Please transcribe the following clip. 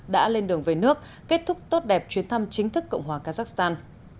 đã lên đường về nước kết thúc tốt đẹp chuyến thăm chính thức cộng hòa kazakhstan